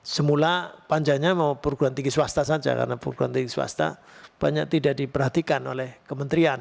semula panjanya mau perguruan tinggi swasta saja karena perguruan tinggi swasta banyak tidak diperhatikan oleh kementerian